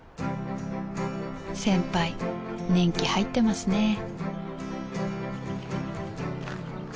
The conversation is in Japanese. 先輩年季入ってますね